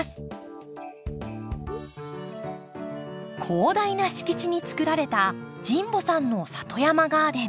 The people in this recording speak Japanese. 広大な敷地に作られた神保さんの里山ガーデン。